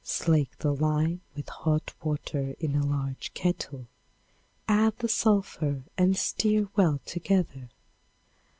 Slake the lime with hot water in a large kettle, add the sulphur and stir well together.